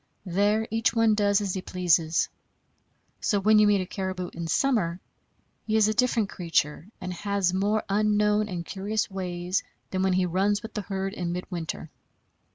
There each one does as he pleases. So when you meet a caribou in summer, he is a different creature, and has more unknown and curious ways than when he runs with the herd in midwinter.